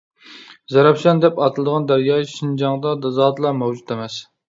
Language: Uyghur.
«زەرەپشان» دەپ ئاتىلىدىغان دەريا شىنجاڭدا زادىلا مەۋجۇت ئەمەس.